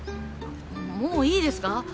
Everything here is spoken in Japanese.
もういいですか？